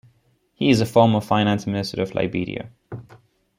He is a former Finance Minister of Liberia.